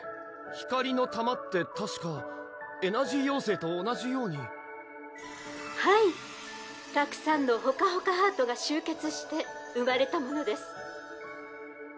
光の玉ってたしかエナジー妖精と同じように「はいたくさんのほかほかハートが集結して生まれたものです」